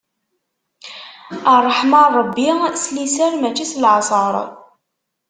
Ṛṛeḥma n Ṛebbi s liser mačči s laɛṣeṛ.